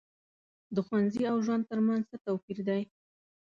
د ښوونځي او ژوند تر منځ څه توپیر دی.